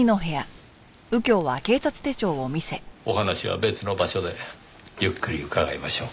お話は別の場所でゆっくり伺いましょうか。